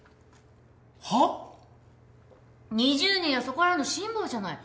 ２０年やそこらの辛抱じゃない。